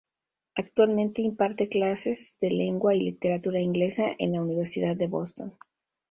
Actualmente imparte clases de lengua y literatura inglesas en la Universidad de Boston.